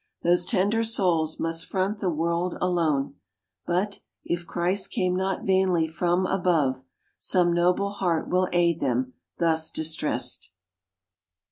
Those tender souls must front the world alone; But, if Christ came not vainly from above, Some noble heart will aid them, thus distressed.